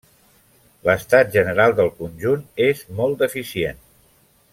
L'estat general del conjunt és molt deficient.